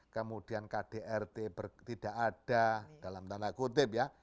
kemudian kdrt tidak ada dalam tanda kutip ya